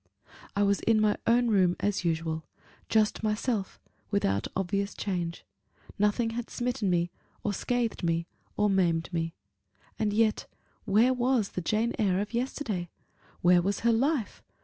I was in my own room as usual just myself, without obvious change; nothing had smitten me, or scathed me, or maimed me. And yet where was the Jane Eyre of yesterday? where was her life?